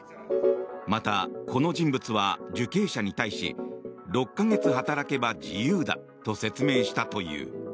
また、この人物は受刑者に対し６か月働けば自由だと説明したという。